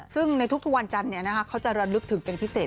ซึ่งในทุกวันจันทร์เขาจะระลึกถึงเป็นพิเศษ